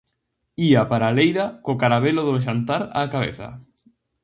Ía para a leira co carabelo do xantar á cabeza.